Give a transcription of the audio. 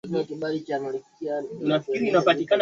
na hali nzuri ya hewa na maji Hali hii ilisababisha pahala pale